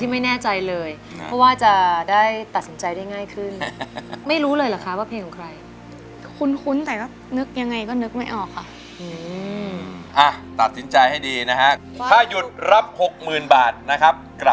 ที่ลินต้องตัดสินใจด้วยตัวลินเองค่ะ